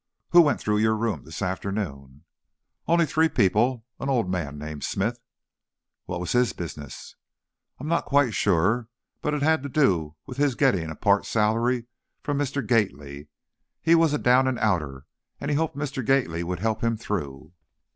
"Who went through your room this afternoon?" "Only three people. An old man named Smith " "What was his business?" "I'm not quite sure, but it had to do with his getting a part salary from Mr. Gately; he was a down and outer, and he hoped Mr. Gately would help him through."